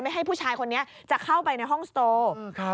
ให้ผู้ชายคนนี้จะเข้าไปในห้องสโตร์